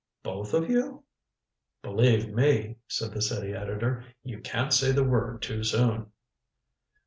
"Both of you?" "Believe me," said the city editor, "you can't say the word too soon."